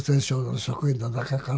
職員の中からね。